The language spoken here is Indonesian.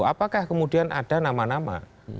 apakah kemudian ada nama nama